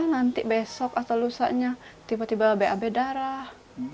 nanti besok atau lusanya tiba tiba bab darah